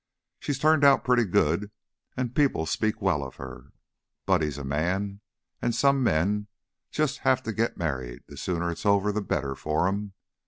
She's turned out pretty good, an' people speak well of her. Buddy's a man, an' some men just have to get married the sooner it's over, the better for 'em.